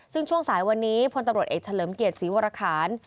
ซึ่งช่วงสายวันนี้พลตำรวจเอกเฉลิมเกียรติศรีวรคาร